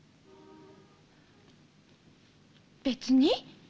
別に。